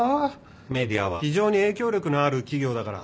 ＭＥＤＩＡ は非常に影響力のある企業だから